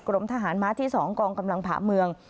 กรมทหารม้าที่๒กองกำลังผ่าเมือง